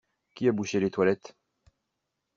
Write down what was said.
Qui a bouché les toilettes?